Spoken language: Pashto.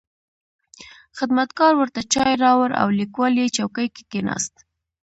خدمتګار ورته چای راوړ او لیکوال په چوکۍ کې کښېناست.